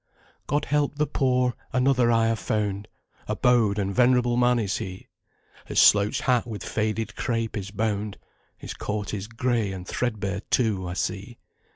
God help the poor! Another have I found A bowed and venerable man is he; His slouched hat with faded crape is bound; His coat is gray, and threadbare too, I see.